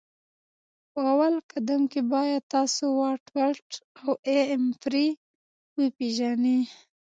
په اول قدم کي باید تاسو واټ ولټ او A امپري وپيژني